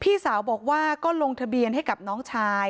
พี่สาวบอกว่าไม่ได้ไปกดยกเลิกรับสิทธิ์นี้ทำไม